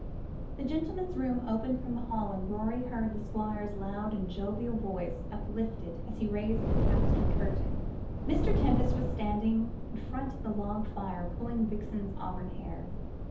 The gentleman's room opened from the hall, and Rorie heard the Squire's loud and jovial voice uplifted as he raised the tapestry curtain. Mr. Tempest was standing in front of the log fire, pulling Vixen's auburn hair.